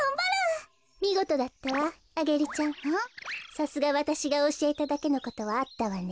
さすがわたしがおしえただけのことはあったわね。